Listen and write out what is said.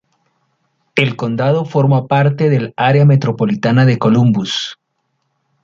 El condado forma parte del área metropolitana de Columbus.